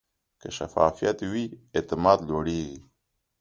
که شفافیت وي، اعتماد لوړېږي.